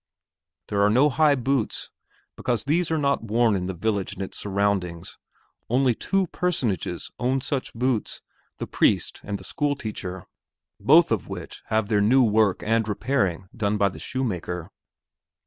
There are no high boots because these are not worn in the village and its surroundings; only two personages own such boots, the priest and the schoolteacher, both of whom have their new work and repairing done by the shoemaker.